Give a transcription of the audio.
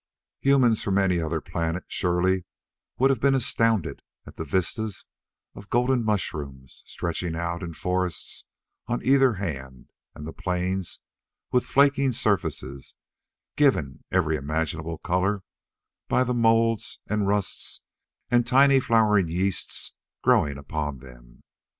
Humans from any other planet, surely, would have been astounded at the vistas of golden mushrooms stretching out in forests on either hand and the plains with flaking surfaces given every imaginable color by the moulds and rusts and tiny flowering yeasts growing upon them.